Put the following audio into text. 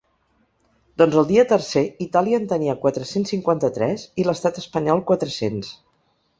Doncs el dia tercer, Itàlia en tenia quatre-cents cinquanta-tres i l’estat espanyol, quatre-cents.